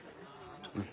うん。